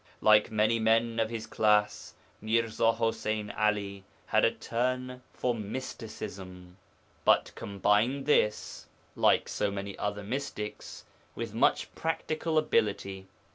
Like many men of his class, Mirza Ḥuseyn 'Ali had a turn for mysticism, but combined this like so many other mystics with much practical ability.